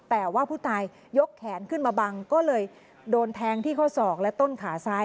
แต่ว่าผู้ตายยกแขนขึ้นมาบังก็เลยโดนแทงที่ข้อศอกและต้นขาซ้าย